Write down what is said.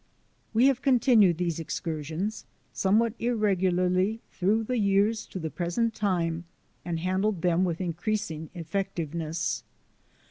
We have continued these excursions somewhat irregularly through the years to the present time and handled them with increasing effectiveness.